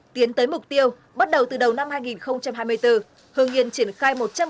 tiến tới mục tiêu bắt đầu từ đầu năm hai nghìn hai mươi bốn hương yên triển khai một trăm linh